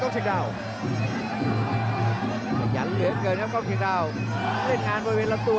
กล้องชิงดาวน์ก็พยายามจะใช้เหยียบมาแล้วครับ